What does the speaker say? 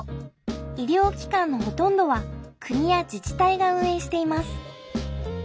医療機関のほとんどは国や自治体が運営しています。